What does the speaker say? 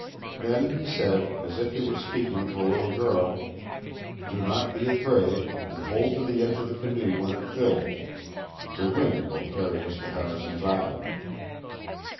Then he said, as if he were speaking to a little girl: "Do not be afraid, and hold to the edge of the canoe when it fills. The wind will carry us to Harrison's Island."